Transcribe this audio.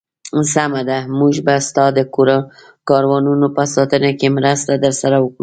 سمه ده، موږ به ستا د کاروانونو په ساتنه کې مرسته درسره وکړو.